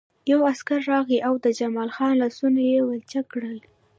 یو عسکر راغی او د جمال خان لاسونه یې ولچک کړل